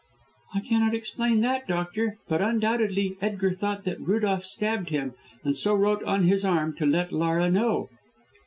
"I cannot explain that, doctor, but undoubtedly Edgar thought that Rudolph stabbed him, and so wrote on his arm to let Laura know."